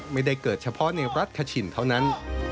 ไม่ได้เกิดเฉพาะในรัฐคชินเท่านั้น